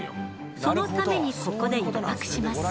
そのためにここで一泊します。